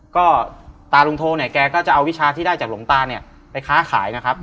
ก็ตาลุงโทเนี่ยแกก็จะเอาวิชาที่ได้จากหลวงตาเนี่ยไปค้าขายนะครับ